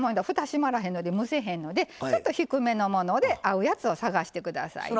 閉まらへんので蒸せへんのでちょっと低めのもので合うやつを探して下さいね。